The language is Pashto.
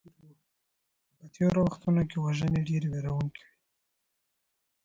په تيرو وختونو کي وژنې ډېرې ويرونکي وې.